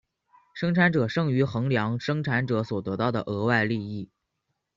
生产者剩余衡量生产者所得到的额外利益。